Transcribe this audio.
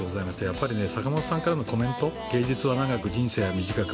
やっぱり坂本さんからのコメント芸術は長く、人生は短く。